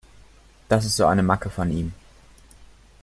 Das ist so eine Macke von ihm.